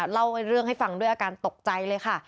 เล่าเรื่องให้ฟังด้วยอาการตกใจเลยค่ะ